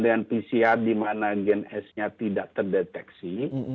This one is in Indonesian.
ada pcr dimana gen s nya tidak terdeteksi